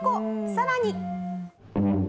さらに」